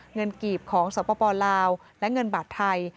เงินกีบของสมาธิปราวิทยาลังกิร์นหลังและเงินบาทไทย